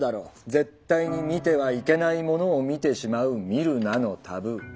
絶対に見てはいけないものを見てしまう「見るなのタブー」。